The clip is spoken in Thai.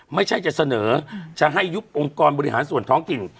ไม่ใช่จะเสนอจะให้ยุบองค์กรบริหารส่วนท้องถิ่น